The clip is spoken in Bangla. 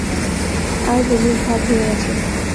আর বমির ভাব হয়ে আছে।